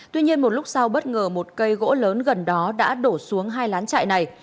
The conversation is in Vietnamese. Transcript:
tuy nhiên một lúc sau bất ngờ một cây gỗ lớn gần đó đã đổ xuống hai lán chạy này